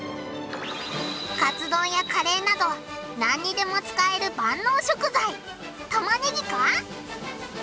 カツ丼やカレーなどなんにでも使える万能食材玉ねぎか？